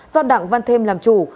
do đặng văn thêm làm chủ